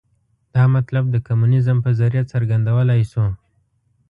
دا مطلب د کمونیزم په ذریعه څرګندولای شو.